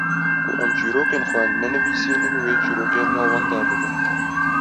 ku em çîrokên xwe nenivîsînin wê çîrokên me wenda bibin.